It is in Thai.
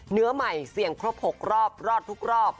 เนื้อใหม่เสี่ยงครบ๖รอบรอดทุกรอบ